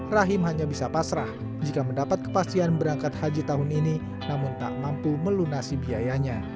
rahim hanya bisa pasrah jika mendapat kepastian berangkat haji tahun ini namun tak mampu melunasi biayanya